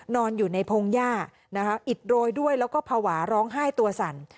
นอนอยู่ในพงหญ้านะคะอิดโรยด้วยแล้วก็ภาวะร้องไห้ตัวสั่น